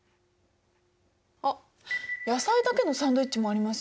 あっ野菜だけのサンドイッチもありますよ。